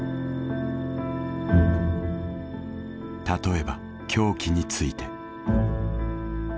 例えば凶器について。